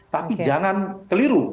tapi jangan keliru